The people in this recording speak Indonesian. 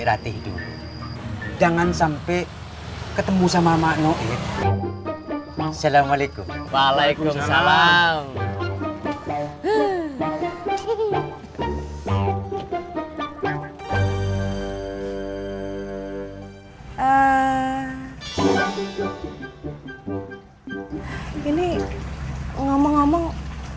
hati hidup jangan sampai ketemu sama maknoid assalamualaikum waalaikumsalam ini ngomong ngomong